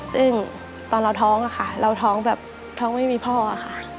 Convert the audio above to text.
ซึ่งตอนเราท้องอะค่ะเราท้องแบบท้องไม่มีพ่อค่ะ